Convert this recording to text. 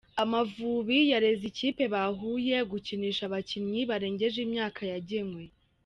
Amavubi yareze ikipe bahuye gukinisha abakinnyi barengeje imyaka yagenywe